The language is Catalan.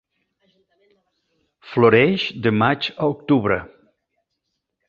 Floreix de maig a octubre.